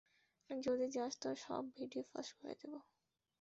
যদি যাস, তোর সব ভিডিও ফাঁস করে দিব।